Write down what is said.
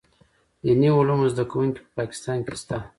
دیني علومو زده کوونکي په پاکستان کې شته.